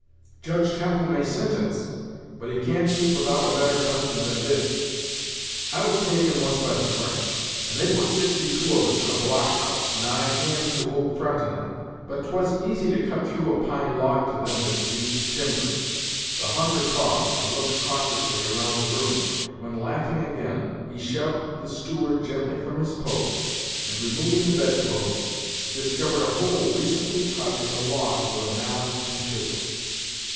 Judge Temple may sintence, but he can't keep without a better dungeon than this. I was taken once by the French, and they put sixty two of us in a block house, nigh hand to old Frontinac; but 'twas easy to cut through a pine log to them that was used to timber." The hunter paused, and looked cautiously around the room, when, laughing again, he shoved the steward gently from his post, and removing the bedclothes, discovered a hole recently cut in the logs with a mallet and chisel.